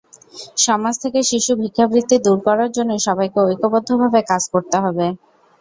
সমাজ থেকে শিশু ভিক্ষাবৃত্তি দূর করার জন্য সবাইকে ঐক্যবদ্ধভাবে কাজ করতে হবে।